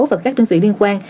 và các đơn vị liên quan